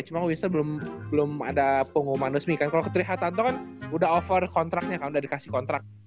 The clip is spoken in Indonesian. cuma winston belum ada pengumuman resmi kan kalau ke teri hartanto kan udah offer kontraknya kan udah dikasih kontrak